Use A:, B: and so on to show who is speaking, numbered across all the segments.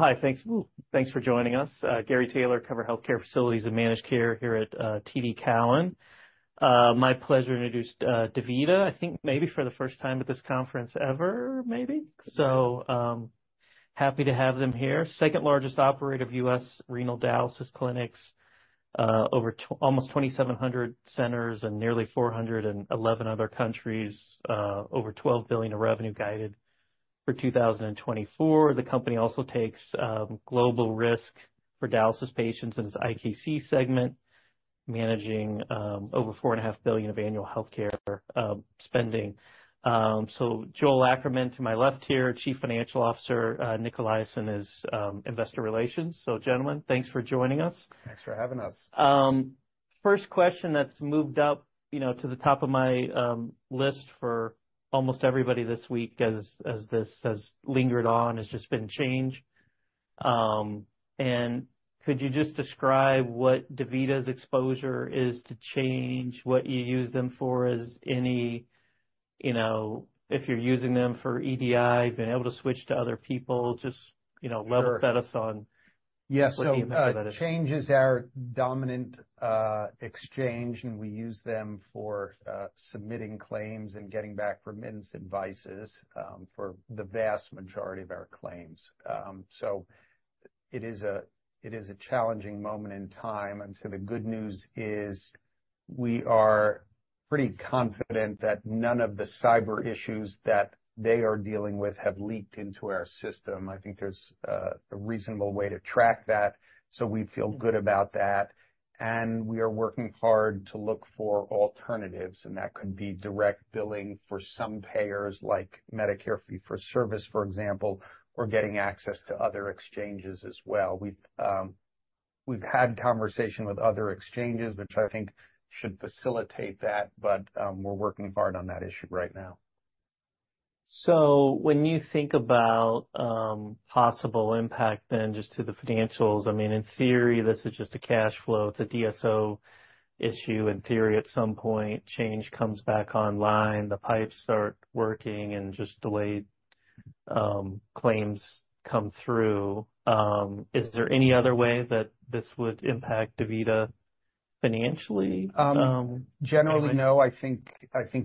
A: Hi, thanks. Thanks for joining us. Gary Taylor, cover healthcare facilities and managed care here at TD Cowen. My pleasure to introduce DaVita, I think maybe for the first time at this conference ever, maybe? Happy to have them here. Second largest operator of U.S. renal dialysis clinics, almost 2,700 centers and nearly 411 other countries, over $12 billion of revenue guided for 2024. The company also takes global risk for dialysis patients in its IKC segment, managing over $4.5 billion of annual healthcare spending. Joel Ackerman, to my left here, Chief Financial Officer, Nic Eliason is Investor Relations. Gentlemen, thanks for joining us.
B: Thanks for having us.
A: First question that's moved up, you know, to the top of my list for almost everybody this week as this has lingered on, has just been Change. And could you just describe what DaVita's exposure is to Change, what you use them for? Is any, you know, if you're using them for EDI, been able to switch to other people, just, you know, level-
B: Sure.
A: -set us on-
B: Yeah, so-
A: What you mentioned about it.
B: Change is our dominant exchange, and we use them for submitting claims and getting back remittance advices for the vast majority of our claims. So it is a challenging moment in time, and so the good news is we are pretty confident that none of the cyber issues that they are dealing with have leaked into our system. I think there's a reasonable way to track that, so we feel good about that, and we are working hard to look for alternatives, and that could be direct billing for some payers, like Medicare fee-for-service, for example, or getting access to other exchanges as well. We've had conversation with other exchanges, which I think should facilitate that, but we're working hard on that issue right now.
A: So when you think about possible impact then, just to the financials, I mean, in theory, this is just a cash flow. It's a DSO issue. In theory, at some point, Change comes back online, the pipes start working and just delayed claims come through. Is there any other way that this would impact DaVita financially?
B: Generally, no. I think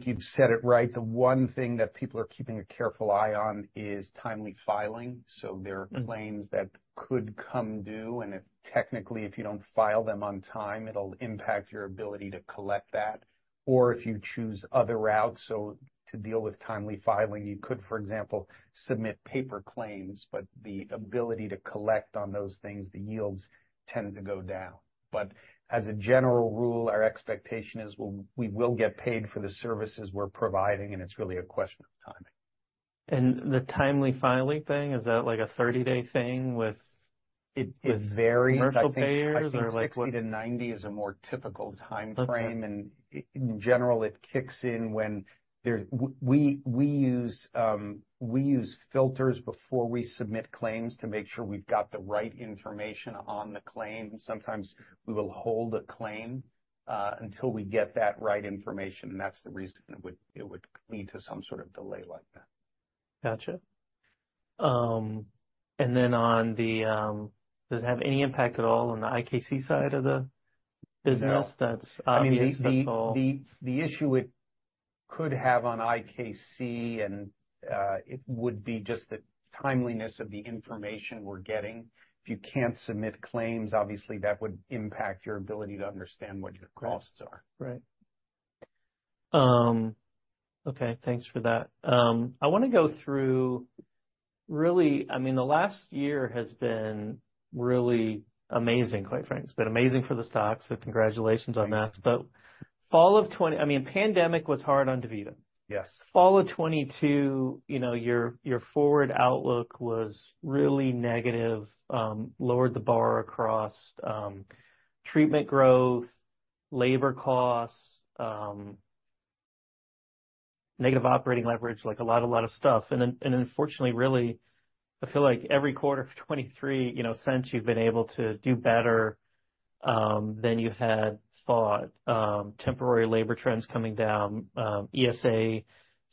B: you've said it right. The one thing that people are keeping a careful eye on is timely filing. So there-
A: Mm.
B: are claims that could come due, and if technically, if you don't file them on time, it'll impact your ability to collect that, or if you choose other routes. So to deal with timely filing, you could, for example, submit paper claims, but the ability to collect on those things, the yields tend to go down. But as a general rule, our expectation is we'll, we will get paid for the services we're providing, and it's really a question of timing.
A: The timely filing thing, is that like a 30-day thing with-
B: It varies-
A: Commercial payers or like what?
B: I think 60-90 is a more typical timeframe.
A: Okay.
B: In general, it kicks in when there's... We use filters before we submit claims to make sure we've got the right information on the claim. Sometimes we will hold a claim until we get that right information, and that's the reason it would lead to some sort of delay like that.
A: Gotcha. And then, does it have any impact at all on the IKC side of the business?
B: No.
A: That's obvious. That's all.
B: I mean, the issue it could have on IKC and it would be just the timeliness of the information we're getting. If you can't submit claims, obviously that would impact your ability to understand what your costs are.
A: Right. Okay, thanks for that. I wanna go through, really, I mean, the last year has been really amazing, quite frankly. It's been amazing for the stocks, so congratulations on that.
B: Thank you.
A: But, I mean, pandemic was hard on DaVita.
B: Yes.
A: Fall of 2022, you know, your forward outlook was really negative, lowered the bar across treatment growth, labor costs, negative operating leverage, like a lot of stuff. And unfortunately, really, I feel like every quarter of 2023, you know, since you've been able to do better than you had thought, temporary labor trends coming down, ESA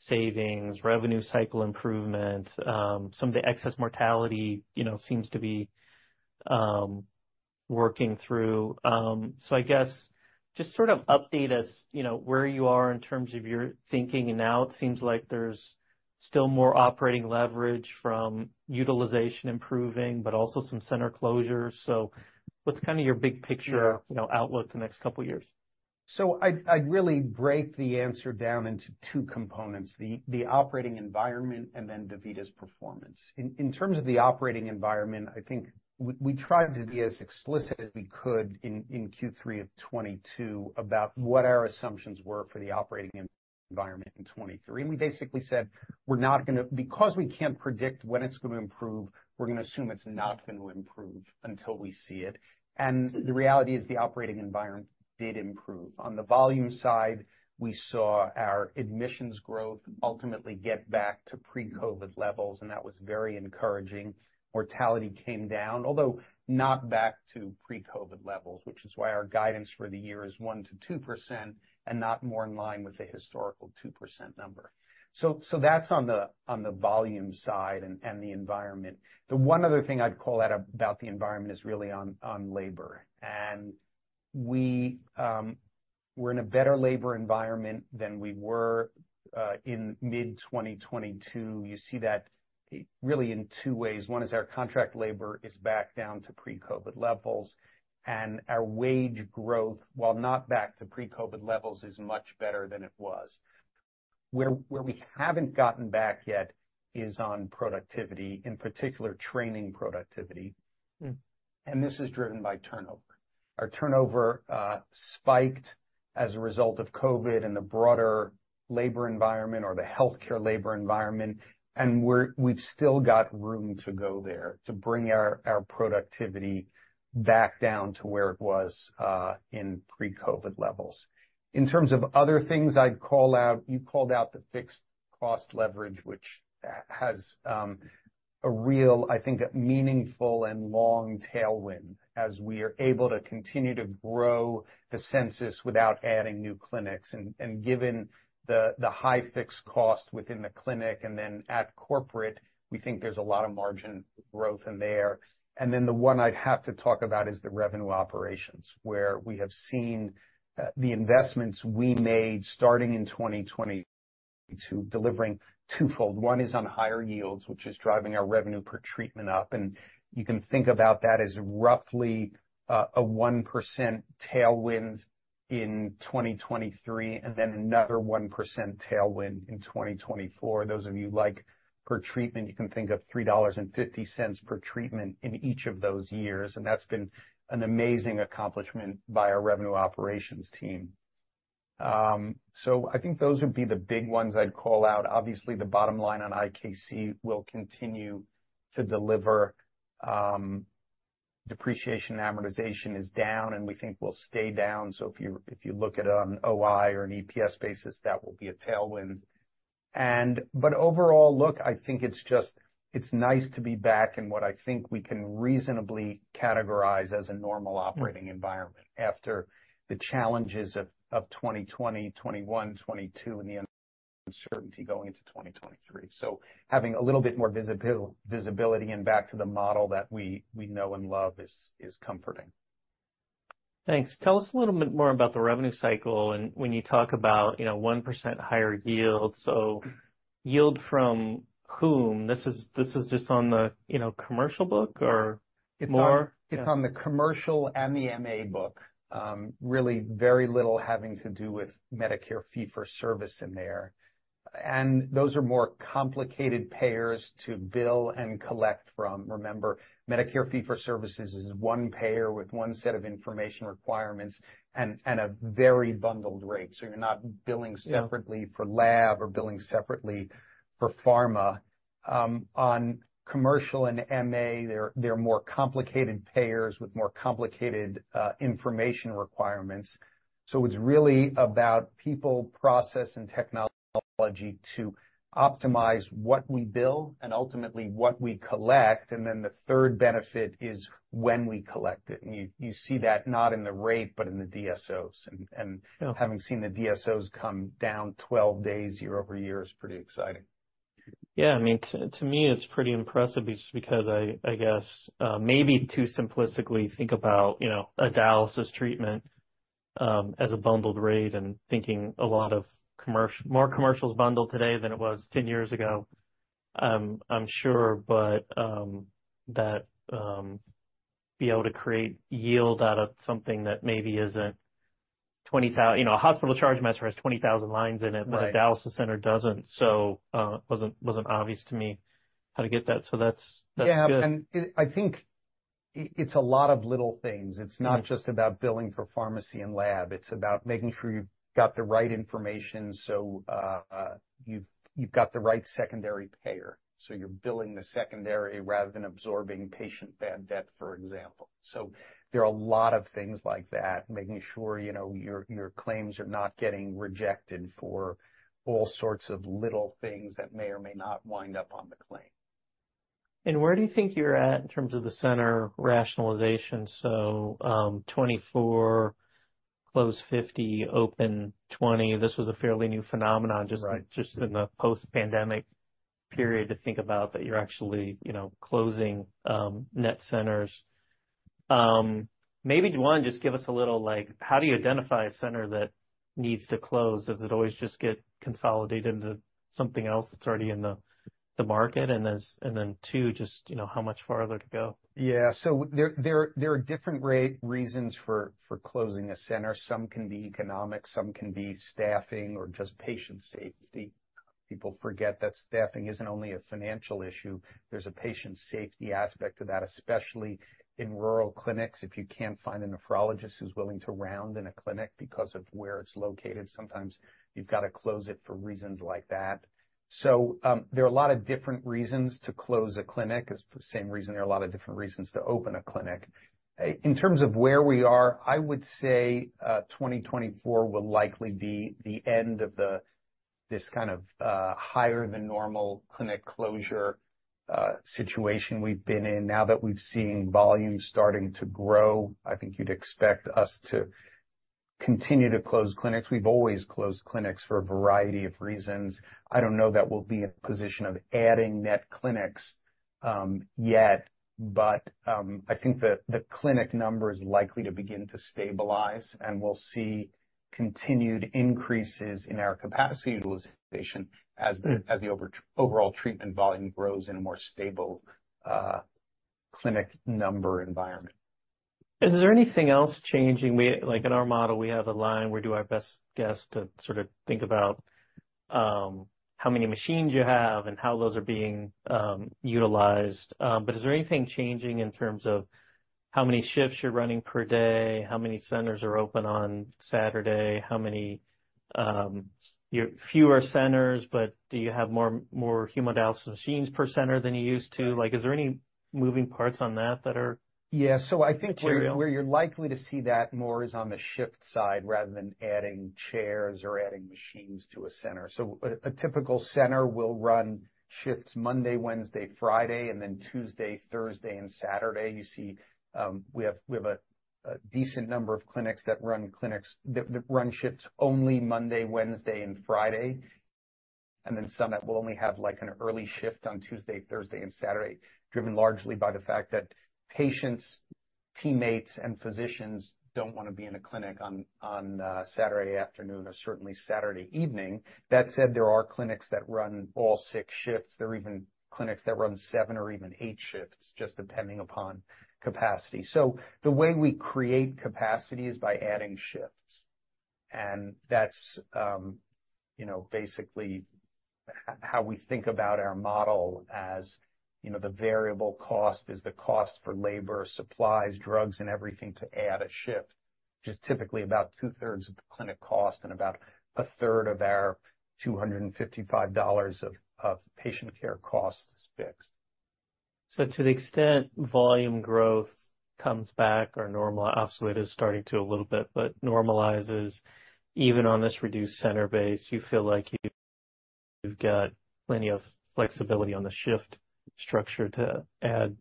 A: savings, revenue cycle improvement, some of the excess mortality, you know, seems to be working through. So I guess just sort of update us, you know, where you are in terms of your thinking. And now it seems like there's still more operating leverage from utilization improving, but also some center closures. So what's kind of your big picture-
B: Yeah...
A: You know, outlook the next couple of years?
B: So I'd really break the answer down into two components: the operating environment and then DaVita's performance. In terms of the operating environment, I think we tried to be as explicit as we could in Q3 of 2022 about what our assumptions were for the operating environment in 2023, and we basically said we're not gonna... Because we can't predict when it's gonna improve, we're gonna assume it's not gonna improve until we see it. And the reality is, the operating environment did improve. On the volume side, we saw our admissions growth ultimately get back to pre-COVID levels, and that was very encouraging. Mortality came down, although not back to pre-COVID levels, which is why our guidance for the year is 1%-2% and not more in line with the historical 2% number. So that's on the volume side and the environment. The one other thing I'd call out about the environment is really on labor, and we're in a better labor environment than we were in mid-2022. You see that really in two ways. One is our contract labor is back down to pre-COVID levels, and our wage growth, while not back to pre-COVID levels, is much better than it was. Where we haven't gotten back yet is on productivity, in particular, training productivity.
A: Mm.
B: This is driven by turnover. Our turnover spiked as a result of COVID and the broader labor environment or the healthcare labor environment, and we've still got room to go there to bring our productivity back down to where it was in pre-COVID levels. In terms of other things I'd call out, you called out the fixed cost leverage, which has a real, I think, a meaningful and long tailwind as we are able to continue to grow the census without adding new clinics. Given the high fixed cost within the clinic and then at corporate, we think there's a lot of margin growth in there. Then the one I'd have to talk about is the revenue operations, where we have seen the investments we made starting in 2022, delivering twofold. One is on higher yields, which is driving our revenue per treatment up, and you can think about that as roughly a 1% tailwind in 2023, and then another 1% tailwind in 2024. Those of you who like per treatment, you can think of $3.50 per treatment in each of those years, and that's been an amazing accomplishment by our revenue operations team. So I think those would be the big ones I'd call out. Obviously, the bottom line on IKC will continue to deliver, depreciation, amortization is down, and we think will stay down. So if you look at it on an OI or an EPS basis, that will be a tailwind. Overall, look, I think it's just, it's nice to be back in what I think we can reasonably categorize as a normal operating environment-
A: Mm.
B: after the challenges of 2020, 2021, 2022, and the uncertainty going into 2023. So having a little bit more visibility and back to the model that we know and love is comforting.
A: Thanks. Tell us a little bit more about the revenue cycle, and when you talk about, you know, 1% higher yield, so yield from whom? This is, this is just on the, you know, commercial book or more?
B: It's on the commercial and the MA book. Really very little having to do with Medicare fee-for-service in there. And those are more complicated payers to bill and collect from. Remember, Medicare fee-for-service is one payer with one set of information requirements and, and a very bundled rate, so you're not billing separately-
A: Yeah...
B: For lab or billing separately for pharma. On commercial and MA, they're more complicated payers with more complicated information requirements. So it's really about people, process, and technology to optimize what we bill and ultimately what we collect, and then the third benefit is when we collect it. And you see that not in the rate, but in the DSOs.
A: Yeah.
B: Having seen the DSOs come down 12 days year-over-year is pretty exciting.
A: Yeah, I mean, to me, it's pretty impressive just because I guess maybe too simplistically think about, you know, a dialysis treatment as a bundled rate and thinking a lot more commercials bundle today than it was 10 years ago. I'm sure, but that be able to create yield out of something that maybe isn't 20 thou- You know, a hospital charge master has 20,000 lines in it-
B: Right.
A: But a dialysis center doesn't. So, it wasn't obvious to me how to get that, so that's good.
B: Yeah, and it. I think it's a lot of little things.
A: Mm.
B: It's not just about billing for pharmacy and lab. It's about making sure you've got the right information, so you've got the right secondary payer, so you're billing the secondary rather than absorbing patient bad debt, for example. So there are a lot of things like that, making sure, you know, your claims are not getting rejected for all sorts of little things that may or may not wind up on the claim.
A: Where do you think you're at in terms of the center rationalization? So, 24, close 50, open 20, this was a fairly new phenomenon-
B: Right
A: Just, just in the post-pandemic period to think about, but you're actually, you know, closing net centers. Maybe, one, just give us a little like, how do you identify a center that needs to close? Does it always just get consolidated into something else that's already in the market? And then, two, just, you know, how much farther to go?
B: Yeah. So there are different reasons for closing a center. Some can be economic, some can be staffing or just patient safety. People forget that staffing isn't only a financial issue. There's a patient safety aspect to that, especially in rural clinics, if you can't find a nephrologist who's willing to round in a clinic because of where it's located, sometimes you've got to close it for reasons like that. So, there are a lot of different reasons to close a clinic, as the same reason there are a lot of different reasons to open a clinic. In terms of where we are, I would say, 2024 will likely be the end of this kind of higher than normal clinic closure situation we've been in. Now that we've seen volumes starting to grow, I think you'd expect us to-... continue to close clinics. We've always closed clinics for a variety of reasons. I don't know that we'll be in a position of adding net clinics, yet, but, I think the clinic number is likely to begin to stabilize, and we'll see continued increases in our capacity utilization as the overall treatment volume grows in a more stable clinic number environment.
A: Is there anything else changing? We—like, in our model, we have a line, we do our best guess to sort of think about how many machines you have and how those are being utilized. But is there anything changing in terms of how many shifts you're running per day? How many centers are open on Saturday? How many fewer centers, but do you have more, more hemodialysis machines per center than you used to? Like, is there any moving parts on that, that are-
B: Yeah, so I think-
A: Material?
B: where you're likely to see that more is on the shift side rather than adding chairs or adding machines to a center. So a typical center will run shifts Monday, Wednesday, Friday, and then Tuesday, Thursday, and Saturday. You see, we have a decent number of clinics that run shifts only Monday, Wednesday, and Friday, and then some that will only have, like, an early shift on Tuesday, Thursday and Saturday, driven largely by the fact that patients, teammates, and physicians don't wanna be in a clinic on Saturday afternoon or certainly Saturday evening. That said, there are clinics that run all six shifts. There are even clinics that run seven or even eight shifts, just depending upon capacity. So the way we create capacity is by adding shifts, and that's, you know, basically how we think about our model. As, you know, the variable cost is the cost for labor, supplies, drugs, and everything to add a shift, which is typically about two-thirds of the clinic cost and about a third of our $255 of patient care costs is fixed.
A: So to the extent volume growth comes back or normalizes, obviously, it is starting to a little bit, but normalizes, even on this reduced center base, you feel like you've got plenty of flexibility on the shift structure to add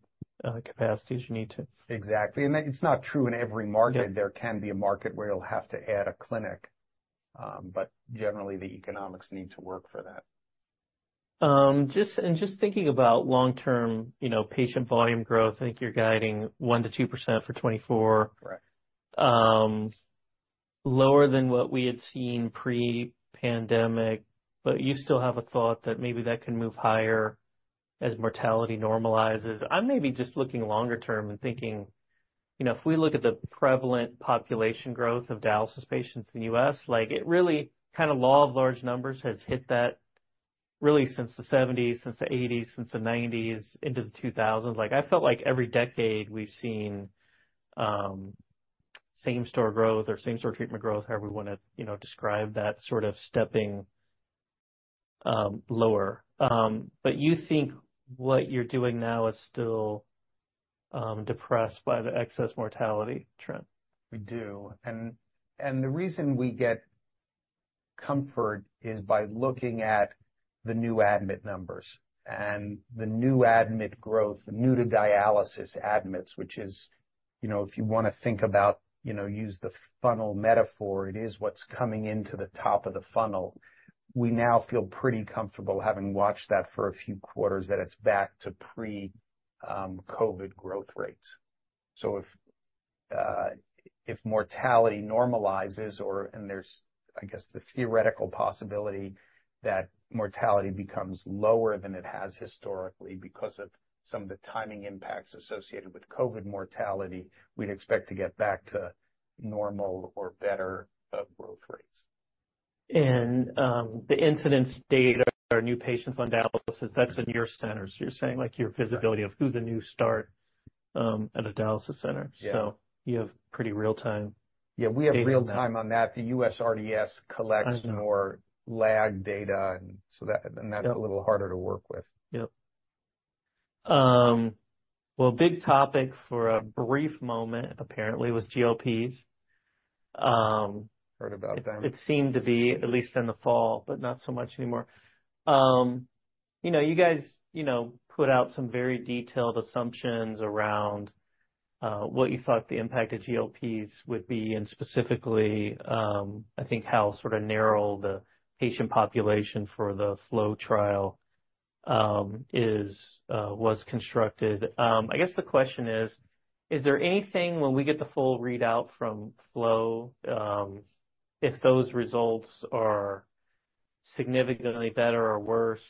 A: capacity as you need to?
B: Exactly. And that it's not true in every market.
A: Yeah.
B: There can be a market where you'll have to add a clinic, but generally, the economics need to work for that.
A: Just thinking about long-term, you know, patient volume growth, I think you're guiding 1%-2% for 2024.
B: Correct.
A: Lower than what we had seen pre-pandemic, but you still have a thought that maybe that can move higher as mortality normalizes. I'm maybe just looking longer term and thinking, you know, if we look at the prevalent population growth of dialysis patients in the U.S., like, it really, kind of law of large numbers has hit that really since the 1970s, since the 1980s, since the 1990s, into the 2000s. Like, I felt like every decade we've seen, same store growth or same store treatment growth, however we wanna, you know, describe that sort of stepping, lower. But you think what you're doing now is still, depressed by the excess mortality trend?
B: We do. And the reason we get comfort is by looking at the new admit numbers and the new admit growth, the new to dialysis admits, which is, you know, if you wanna think about, you know, use the funnel metaphor, it is what's coming into the top of the funnel. We now feel pretty comfortable, having watched that for a few quarters, that it's back to pre-COVID growth rates. So if mortality normalizes or, and there's, I guess, the theoretical possibility that mortality becomes lower than it has historically because of some of the timing impacts associated with COVID mortality, we'd expect to get back to normal or better growth rates.
A: The incidence data or new patients on dialysis, that's in your centers. You're saying, like, your visibility-
B: Yeah
A: Of who's a new start at a dialysis center?
B: Yeah.
A: So you have pretty real time-
B: Yeah, we have real time-
A: Data on that.
B: On that. The USRDS collects-
A: I know
B: more lag data, and so that
A: Yeah...
B: And that's a little harder to work with.
A: Yep. Well, big topic for a brief moment, apparently, was GLPs.
B: Heard about that.
A: It, it seemed to be, at least in the fall, but not so much anymore. You know, you guys, you know, put out some very detailed assumptions around, what you thought the impact of GLPs would be, and specifically, I think, how sort of narrow the patient population for the FLOW trial, is, was constructed. I guess the question is: Is there anything, when we get the full readout from FLOW, if those results are significantly better or worse,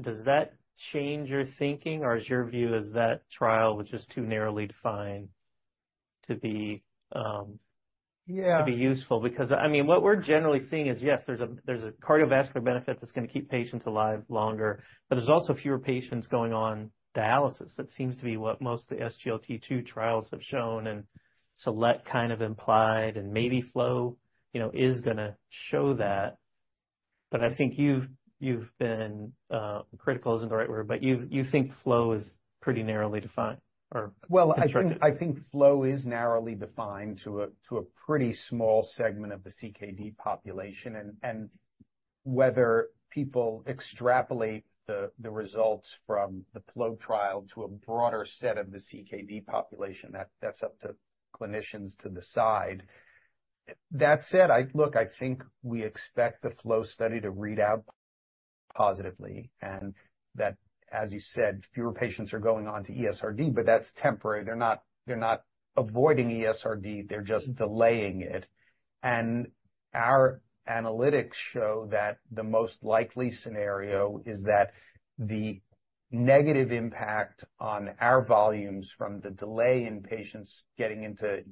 A: does that change your thinking, or is your view is that trial was just too narrowly defined to be,
B: Yeah...
A: To be useful? Because, I mean, what we're generally seeing is, yes, there's a cardiovascular benefit that's gonna keep patients alive longer, but there's also fewer patients going on dialysis. That seems to be what most of the SGLT2 trials have shown and select, kind of implied, and maybe FLOW, you know, is gonna show that. But I think you've been, critical isn't the right word, but you think FLOW is pretty narrowly defined or constructed.
B: Well, I think FLOW is narrowly defined to a pretty small segment of the CKD population, and whether people extrapolate the results from the FLOW trial to a broader set of the CKD population, that's up to clinicians to decide. That said, look, I think we expect the FLOW study to read out positively, and that, as you said, fewer patients are going on to ESRD, but that's temporary. They're not avoiding ESRD, they're just delaying it. And our analytics show that the most likely scenario is that the negative impact on our volumes from the delay in patients getting into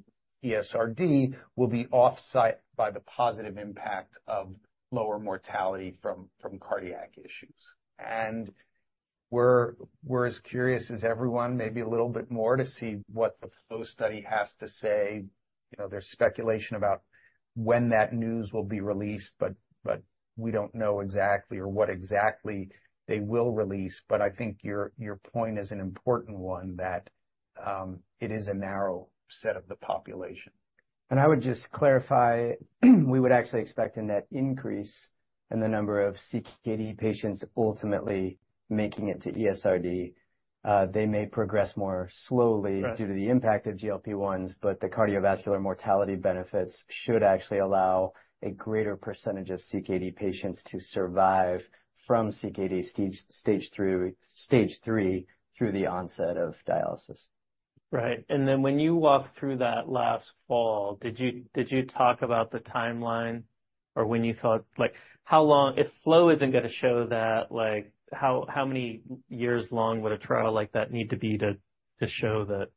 B: ESRD will be offset by the positive impact of lower mortality from cardiac issues. And we're as curious as everyone, maybe a little bit more, to see what the FLOW study has to say. You know, there's speculation about when that news will be released, but we don't know exactly or what exactly they will release. But I think your point is an important one, that it is a narrow set of the population.
C: And I would just clarify, we would actually expect a net increase in the number of CKD patients ultimately making it to ESRD. They may progress more slowly-
B: Right.
C: Due to the impact of GLP-1s, but the cardiovascular mortality benefits should actually allow a greater percentage of CKD patients to survive from CKD stage, stage three, stage three through the onset of dialysis.
A: Right. And then when you walked through that last fall, did you, did you talk about the timeline? Or when you thought—like, how long—if FLOW isn't gonna show that, like, how, how many years long would a trial like that need to be to, to show that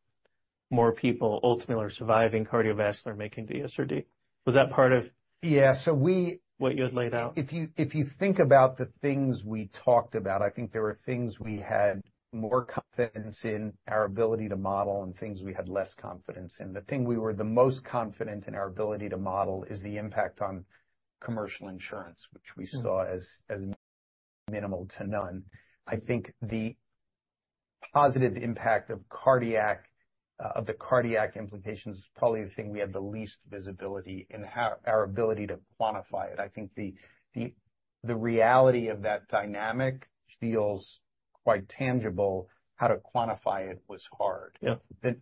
A: more people ultimately are surviving cardiovascular making ESRD? Was that part of-
B: Yeah. So we-
A: What you had laid out?
B: If you think about the things we talked about, I think there were things we had more confidence in our ability to model and things we had less confidence in. The thing we were the most confident in our ability to model is the impact on commercial insurance, which we saw as minimal to none. I think the positive impact of the cardiac implications is probably the thing we had the least visibility in how our ability to quantify it. I think the reality of that dynamic feels quite tangible. How to quantify it was hard.
A: Yeah.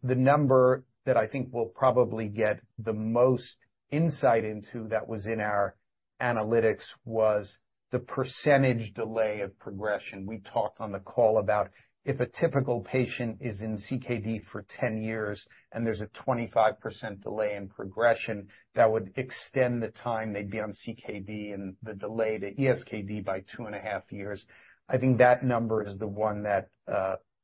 B: The number that I think we'll probably get the most insight into that was in our analytics was the percentage delay of progression. We talked on the call about if a typical patient is in CKD for 10 years, and there's a 25% delay in progression, that would extend the time they'd be on CKD and the delay to ESKD by 2.5 years. I think that number is the one that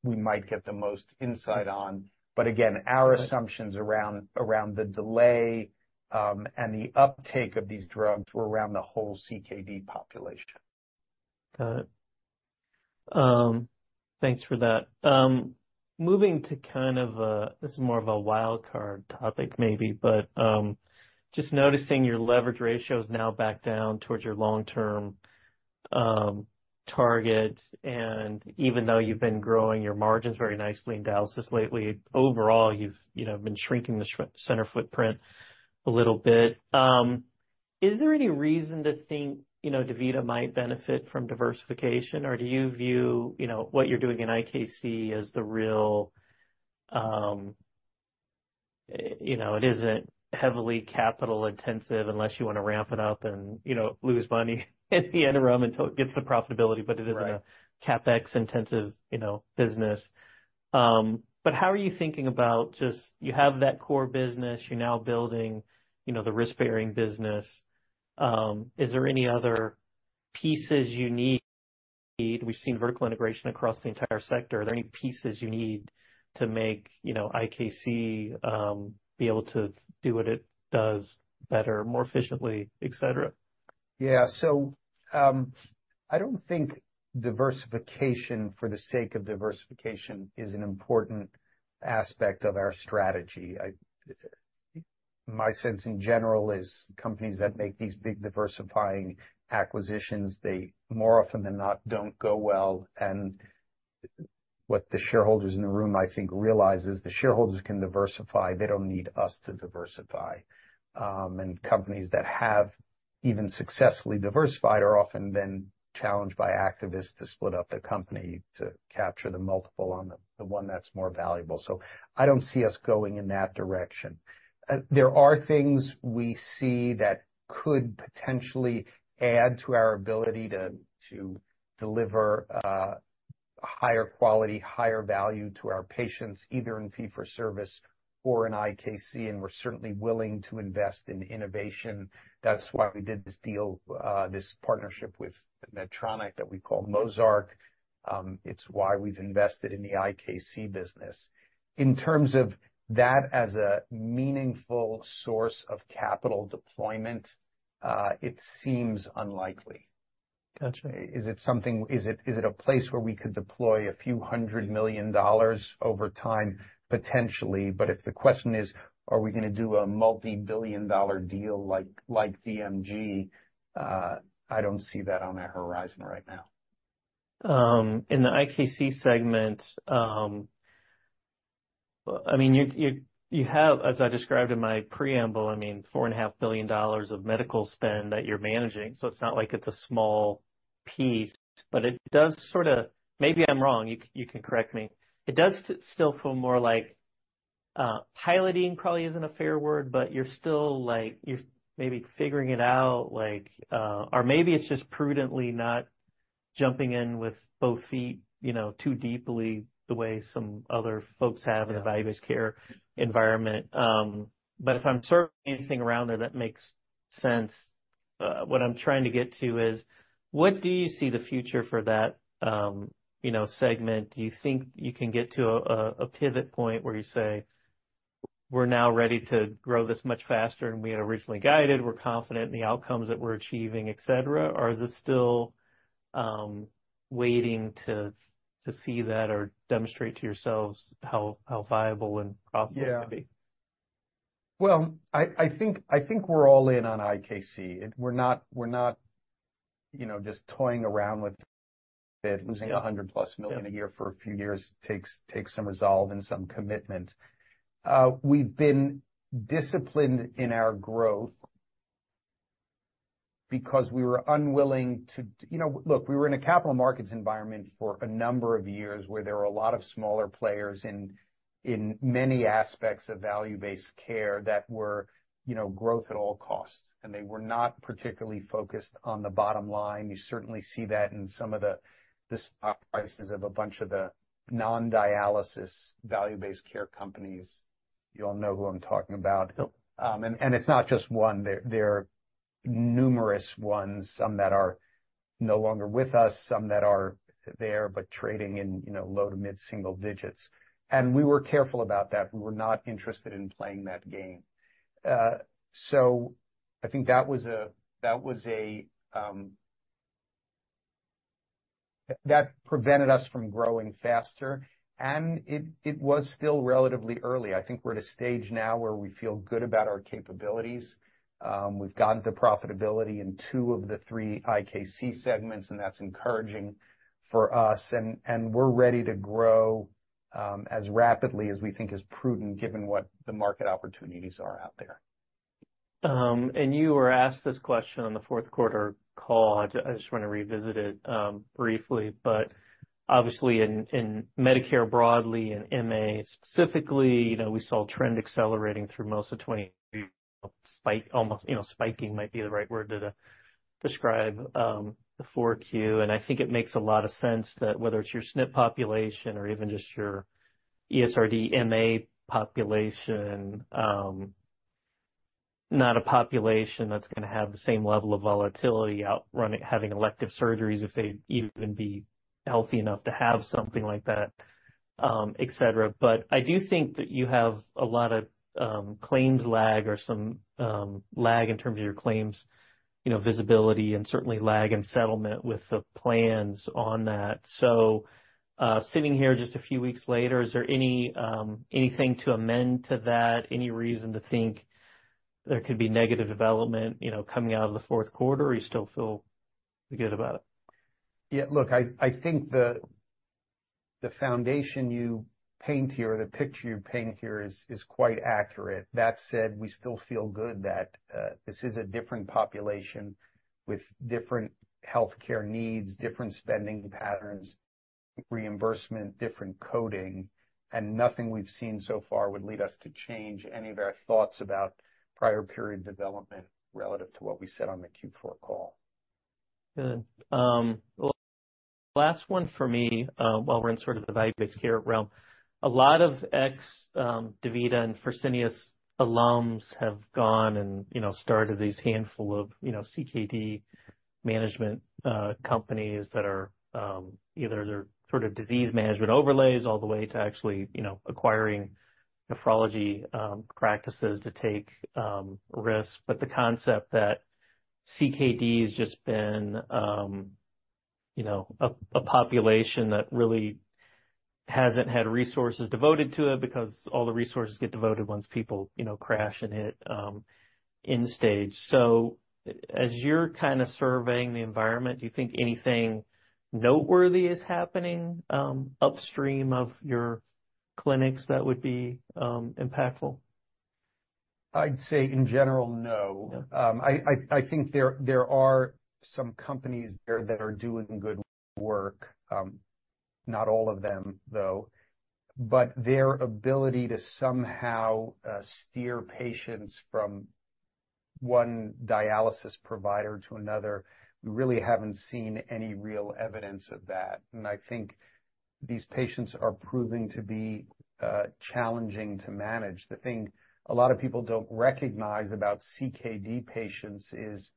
B: we might get the most insight on. But again, our assumptions around the delay and the uptake of these drugs were around the whole CKD population.
A: Got it. Thanks for that. Moving to kind of a... this is more of a wild card topic maybe, but just noticing your leverage ratio is now back down towards your long-term target. And even though you've been growing your margins very nicely in dialysis lately, overall, you've, you know, been shrinking the center footprint a little bit. Is there any reason to think, you know, DaVita might benefit from diversification? Or do you view, you know, what you're doing in IKC as the real, you know, it isn't heavily capital intensive unless you want to ramp it up and, you know, lose money at the interim until it gets to profitability, but it isn't-
B: Right...
A: A CapEx intensive, you know, business. But how are you thinking about just, you have that core business, you're now building, you know, the risk-bearing business. Is there any other pieces you need? We've seen vertical integration across the entire sector. Are there any pieces you need to make, you know, IKC, be able to do what it does better, more efficiently, et cetera?
B: Yeah. So, I don't think diversification for the sake of diversification is an important aspect of our strategy. My sense in general is companies that make these big diversifying acquisitions, they more often than not, don't go well, and what the shareholders in the room, I think, realize is the shareholders can diversify. They don't need us to diversify. And companies that have even successfully diversified are often then challenged by activists to split up the company to capture the multiple on the one that's more valuable. So I don't see us going in that direction. There are things we see that could potentially add to our ability to deliver higher quality, higher value to our patients, either in fee for service or in IKC, and we're certainly willing to invest in innovation. That's why we did this deal, this partnership with Medtronic that we call Mozarc. It's why we've invested in the IKC business. In terms of that as a meaningful source of capital deployment, it seems unlikely.
A: Gotcha.
B: Is it something, is it a place where we could deploy a few $100 million over time? Potentially. But if the question is, are we gonna do a multi-billion-dollar deal like, like DMG? I don't see that on our horizon right now.
A: In the IKC segment, well, I mean, you have, as I described in my preamble, I mean, $4.5 billion of medical spend that you're managing, so it's not like it's a small piece, but it does sort of, maybe I'm wrong, you can correct me. It does still feel more like, piloting probably isn't a fair word, but you're still like, you're maybe figuring it out, like, or maybe it's just prudently not jumping in with both feet, you know, too deeply, the way some other folks have in the value-based care environment. But if I'm sort of anything around there that makes sense, what I'm trying to get to is: what do you see the future for that, you know, segment? Do you think you can get to a, a pivot point where you say, "We're now ready to grow this much faster than we had originally guided. We're confident in the outcomes that we're achieving," et cetera, or is it still waiting to see that or demonstrate to yourselves how viable and profitable it's gonna be?
B: Yeah. Well, I think we're all in on IKC. We're not, you know, just toying around with it. Losing $100+ million a year for a few years takes some resolve and some commitment. We've been disciplined in our growth because we were unwilling to... You know, look, we were in a capital markets environment for a number of years, where there were a lot of smaller players in many aspects of value-based care that were, you know, growth at all costs, and they were not particularly focused on the bottom line. You certainly see that in some of the stock prices of a bunch of the non-dialysis value-based care companies. You all know who I'm talking about.
A: Yep.
B: And it's not just one. There are numerous ones, some that are no longer with us, some that are there, but trading in, you know, low to mid-single digits. And we were careful about that. We were not interested in playing that game. So I think that was a, that prevented us from growing faster, and it was still relatively early. I think we're at a stage now where we feel good about our capabilities. We've gotten the profitability in two of the three IKC segments, and that's encouraging for us, and we're ready to grow as rapidly as we think is prudent, given what the market opportunities are out there.
A: You were asked this question on the fourth quarter call. I just want to revisit it briefly, but obviously in, in Medicare broadly and MA specifically, you know, we saw trend accelerating through most of 2023. Spike, almost, you know, spiking might be the right word to, to describe the 4Q. And I think it makes a lot of sense that whether it's your SNF population or even just your ESRD MA population, not a population that's gonna have the same level of volatility outrunning, having elective surgeries if they'd even be healthy enough to have something like that, et cetera. But I do think that you have a lot of claims lag or some lag in terms of your claims, you know, visibility and certainly lag in settlement with the plans on that. So, sitting here just a few weeks later, is there anything to amend to that? Any reason to think there could be negative development, you know, coming out of the fourth quarter, or you still feel good about it?
B: Yeah, look, I think the foundation you paint here, the picture you paint here is quite accurate. That said, we still feel good that this is a different population with different healthcare needs, different spending patterns, reimbursement, different coding, and nothing we've seen so far would lead us to change any of our thoughts about prior period development relative to what we said on the Q4 call.
A: Good. Last one for me, while we're in sort of the value-based care realm. A lot of ex-DaVita and Fresenius alums have gone and, you know, started these handful of, you know, CKD management companies that are either they're sort of disease management overlays all the way to actually, you know, acquiring nephrology practices to take risks. But the concept that CKD has just been, you know, a population that really hasn't had resources devoted to it because all the resources get devoted once people, you know, crash and hit end stage. So as you're kind of surveying the environment, do you think anything noteworthy is happening upstream of your clinics that would be impactful?
B: I'd say in general, no.
A: Yeah.
B: I think there are some companies there that are doing good work, not all of them, though. But their ability to somehow steer patients from one dialysis provider to another, we really haven't seen any real evidence of that. And I think these patients are proving to be challenging to manage. The thing a lot of people don't recognize about CKD patients is,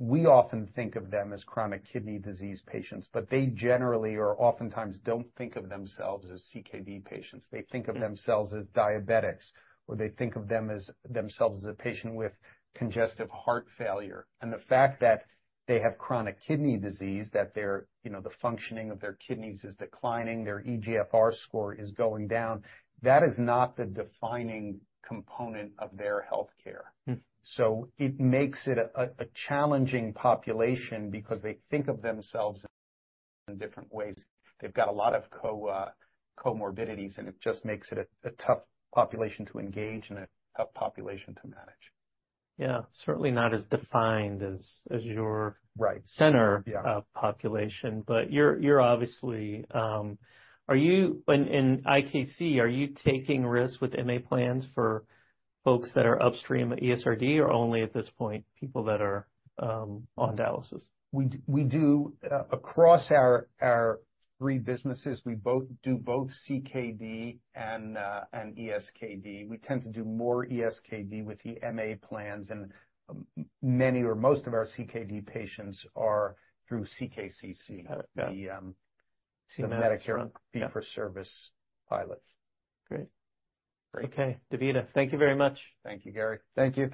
B: we often think of them as chronic kidney disease patients, but they generally or oftentimes don't think of themselves as CKD patients. They think of themselves as diabetics, or they think of them as themselves as a patient with congestive heart failure. And the fact that they have chronic kidney disease, that their, you know, the functioning of their kidneys is declining, their eGFR score is going down, that is not the defining component of their healthcare.
A: Mm.
B: So it makes it a challenging population because they think of themselves in different ways. They've got a lot of comorbidities, and it just makes it a tough population to engage and a tough population to manage.
A: Yeah, certainly not as defined as, as your-
B: Right.
A: -Center, population. But you're obviously... Are you in IKC, are you taking risks with MA plans for folks that are upstream ESRD or only at this point, people that are on dialysis?
B: We do across our three businesses, we both do both CKD and ESKD. We tend to do more ESKD with the MA plans, and many or most of our CKD patients are through CKCC.
A: Got it. Yeah.
B: The Medicare fee-for-service pilot.
A: Great.
B: Great.
A: Okay, DaVita, thank you very much.
B: Thank you, Gary.
C: Thank you.